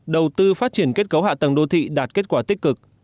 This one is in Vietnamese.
đầu tư phát triển kết cấu hạ tầng đô thị đạt kết quả tích cực